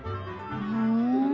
ふん。